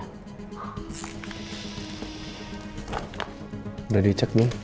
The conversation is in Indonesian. udah dicek dong